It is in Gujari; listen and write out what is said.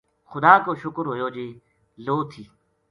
خدا کو شکر ہویو جے لو تھی